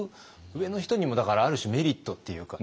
上の人にもだからある種メリットっていうか。